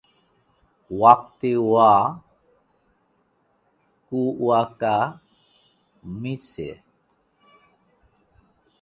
Wakati wa kuweka miche shimoni hakikisha mizizi haipindi.